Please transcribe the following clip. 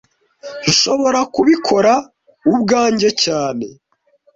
Nshobora kubikora ubwanjye cyane